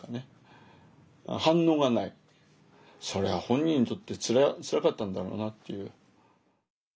それは本人にとってつらかったんだろうなっていう。